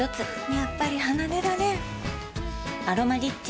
やっぱり離れられん「アロマリッチ」